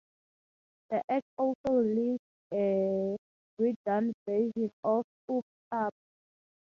The act also released a re-done version of Oops Up!